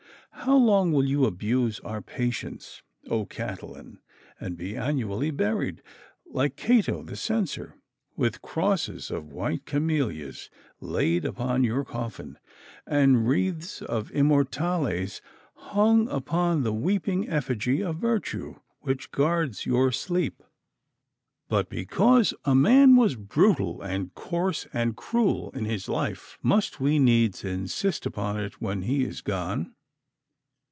How long will you abuse our patience, O Catiline, and be annually buried, like Cato the Censor, with crosses of white camellias laid upon your coffin, and wreaths of immortelles hung upon the weeping effigy of Virtue which guards your sleep? But because a man was brutal and coarse and cruel in his life, must we needs insist upon it when he is gone?